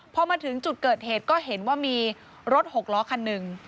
พอมาถึงจุดเกิดเหตุก็เห็นว่ามีรถหกล้อคันหนึ่ง